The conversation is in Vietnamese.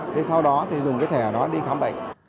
thế sau đó thì dùng cái thẻ đó đi khám bệnh